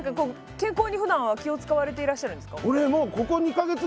健康にふだんは気を遣われていらっしゃるんですか？